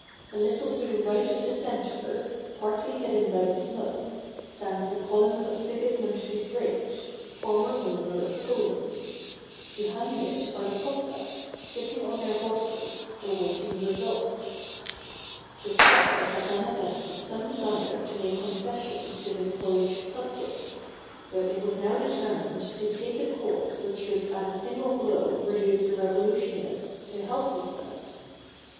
A little to the right of the center, partly hidden by the smoke, stands the column of Sigismund the Great, former ruler of Poland. Behind it are the Cossacks, sitting on their horses, awaiting results. The czar had manifested some desire to make concessions to his Polish subjects, but it was now determined to take a course which should at a single blow reduce the revolution ists to helplessness.